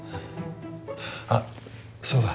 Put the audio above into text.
あっそうだ。